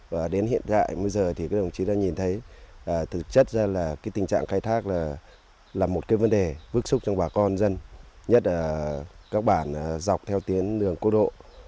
và đến hiện đại bây giờ thì các đồng chí đã nhìn thấy thực chất ra là tình trạng khai thác là một vấn đề vức xúc trong bà con dân nhất là các bản dọc theo tiến đường cố độ